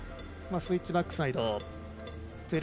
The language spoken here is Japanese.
スイッチバックサイド１２６０。